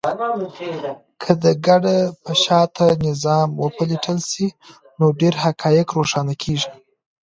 که د کډه په شاته نظام وپلټل سي، نو ډېر حقایق روښانه کيږي.